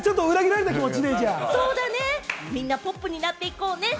そうね、みんなポップになっていこうね！